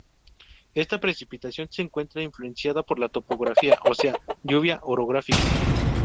Esta precipitación se encuentra influenciada por la topografía, o sea, lluvia orográfica.